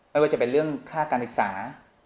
ไม่ว่าจะเป็นเรื่องค่าการศึกษา